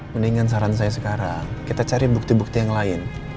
mendingan saran saya sekarang kita cari bukti bukti yang lain